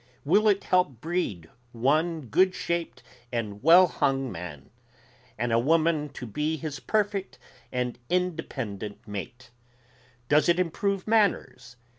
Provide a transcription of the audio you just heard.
Will it help breed one goodshaped and wellhung man, and a woman to be his perfect and independent mate? Does it improve manners?